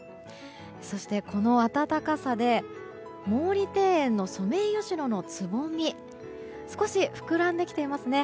そして、この暖かさで毛利庭園のソメイヨシノのつぼみ少し膨らんできていますね。